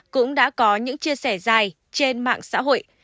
cũng đã có những chia sẻ dài trên mạng xã hội